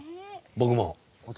僕も。